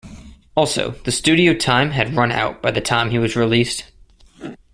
Also, the studio time had run out by the time he was released.